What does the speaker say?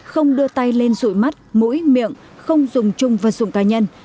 không đưa tay lên rụi mắt mũi miệng không dùng chung vật dụng cá nhân